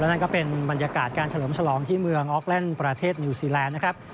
นั่นก็เป็นบรรยากาศการเฉลิมฉลองที่เมืองออกแลนด์ประเทศนิวซีแลนด์นะครับ